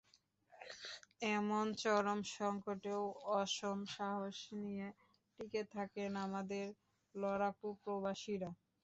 এমন চরম সংকটেও অসম সাহস নিয়ে টিকে থাকেন আমাদের লড়াকু প্রবাসীরা।